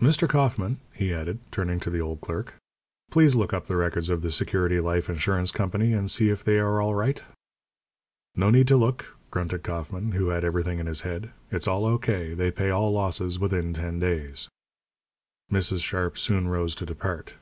Mr. Kauffman," he added, turning to the old clerk, "please look up the records of the Security Life Insurance Company and see if they are all right." "No need to look," grunted Kauffman, who had everything in his head. "It's all O.K. They pay all losses within ten days." Mrs. Sharp soon rose to depart.